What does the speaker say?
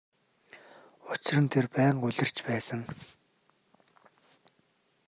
Учир нь тэр байнга улирч байсан.